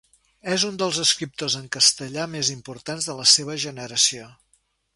És un dels escriptors en castellà més importants de la seva generació.